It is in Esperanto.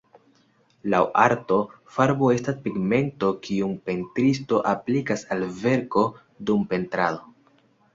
Laŭ arto, farbo estas pigmento kiun pentristo aplikas al verko dum pentrado.